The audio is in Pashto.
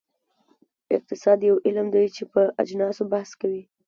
اقتصاد یو علم دی چې په اجناسو بحث کوي.